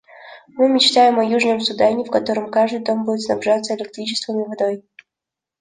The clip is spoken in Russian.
Мы мечтаем о Южном Судане, в котором каждый дом будет снабжаться электричеством и водой.